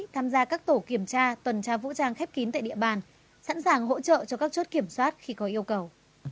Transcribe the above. tham gia các tổ kiểm tra tuần tra vũ trang khép kín tại địa bàn sẵn sàng hỗ trợ cho các chốt kiểm soát khi có yêu cầu